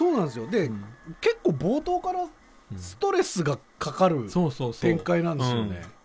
で結構冒頭からストレスがかかる展開なんですよね。